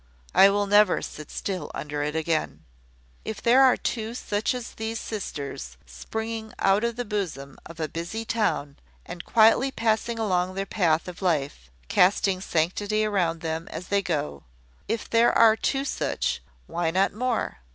I will never sit still under it again. If there are two such as these sisters, springing out of the bosom of a busy town, and quietly passing along their path of life, casting sanctity around them as they go, if there are two such, why not more?